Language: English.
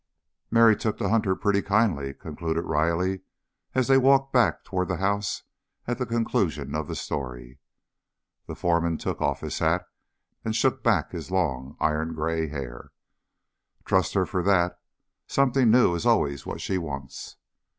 "Mary took to Hunter pretty kindly," concluded Riley, as they walked back toward the house at the conclusion of the story. The foreman took off his hat and shook back his long, iron gray hair. "Trust her for that. Something new is always what she wants."